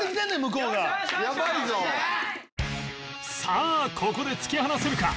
さあここで突き放せるか？